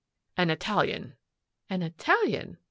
« An Italian." " An Italian